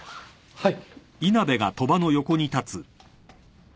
はい。